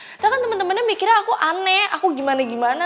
kita kan temen temennya mikirnya aku aneh aku gimana gimana